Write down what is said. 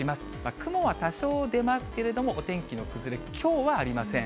雲は多少出ますけれども、お天気の崩れ、きょうはありません。